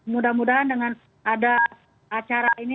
mudah mudahan dengan ada acara ini